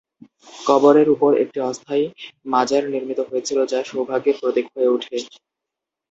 কবরের উপরে একটি অস্থায়ী মাজার নির্মিত হয়েছিল যা সৌভাগ্যের প্রতীক হয়ে উঠে।